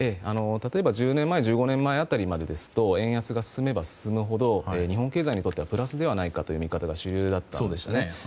例えば１０年前１５年前辺りまでは円安が進めば進むほど日本経済にはプラスではないかという見方が主流だったんですね。